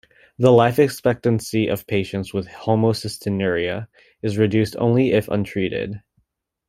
The life expectancy of patients with homocystinuria is reduced only if untreated.